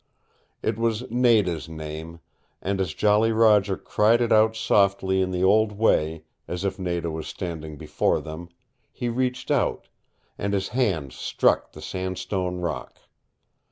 It was Nada's name, and as Jolly Roger cried it out softly in the old way, as if Nada was standing before them, he reached out, and his hands struck the sandstone rock.